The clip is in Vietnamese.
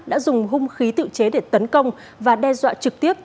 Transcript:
đã dùng hung khí tự chế để tấn công và đe dọa trực tiếp